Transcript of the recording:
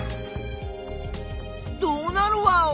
どうなるワオ？